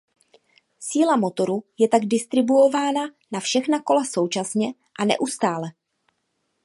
Síla motoru je tak distribuována na všechna kola současně a neustále.